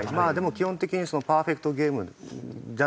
基本的にパーフェクトゲームじゃなければ。